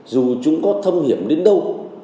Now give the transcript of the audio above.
dù chúng có thâm hiểm đến đâu